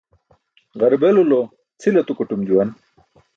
Ġarbelulo cʰil atukaṭum juwan